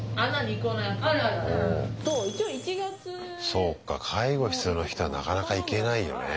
そうか介護必要な人はなかなか行けないよね